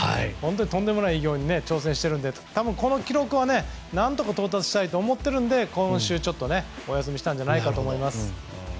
とんでもない偉業に挑戦しているので多分この記録は何とか到達したいと思っているので今週お休みしたんだと思います。